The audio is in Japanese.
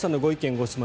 ・ご質問